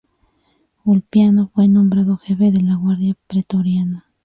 Ulpiano fue nombrado jefe de la Guardia pretoriana.